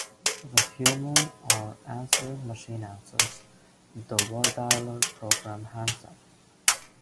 If a human or answering machine answers, the wardialer program hangs up.